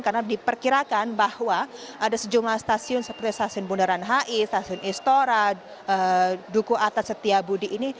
karena diperkirakan bahwa ada sejumlah stasiun seperti stasiun bundaran hai stasiun istora duku atas setia budi ini